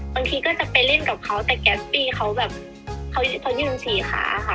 บางทีก็จะไปเล่นกับเขาแต่แกสปี้เขาแบบเขายืนสี่ขาค่ะ